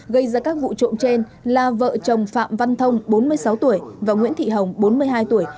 gây ra các vụ trộm trên là vợ chồng phạm văn thông bốn mươi sáu tuổi và nguyễn thị hồng bốn mươi hai tuổi